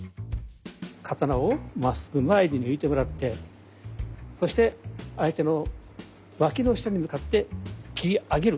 刀をまっすぐ前に抜いてもらってそして相手の脇の下に向かって斬り上げる。